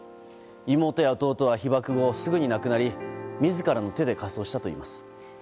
妹や弟は被爆後、すぐに亡くなり自らの手で火葬したといいます。